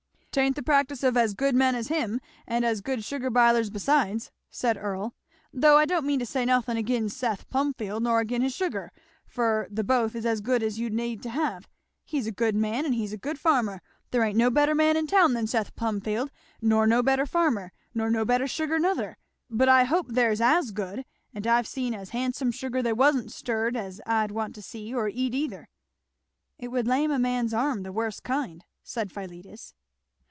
"'Tain't the practice of as good men as him and as good sugar bilers, besides," said Earl; "though I don't mean to say nothin' agin Seth Plumfield nor agin his sugar, for the both is as good as you'd need to have; he's a good man and he's a good farmer there ain't no better man in town than Seth Plumfield, nor no better farmer, nor no better sugar nother; but I hope there's as good; and I've seen as handsome sugar that wa'n't stirred as I'd want to see or eat either." "It would lame a man's arms the worst kind!" said Philetus.